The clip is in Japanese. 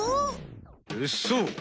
そう！